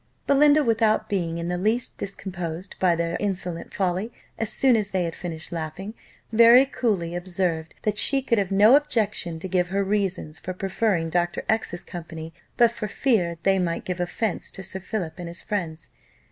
Belinda, without being in the least discomposed by their insolent folly, as soon as they had finished laughing, very coolly observed, that she could have no objection to give her reasons for preferring Dr. X 's company but for fear they might give offence to Sir Philip and his friends.